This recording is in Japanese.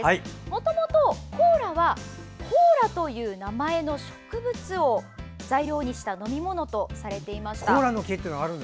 もともとコーラはコーラという名前の植物を材料にした飲み物とされていました。